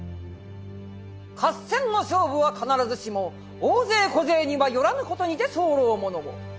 「合戦の勝負は必ずしも大勢小勢にはよらぬ事にて候ふものを。